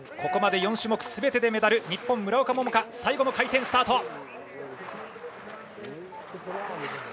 ここまで４種目すべてでメダルの日本、村岡桃佳最後の回転スタート。